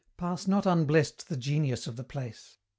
Pass not unblest the genius of the place!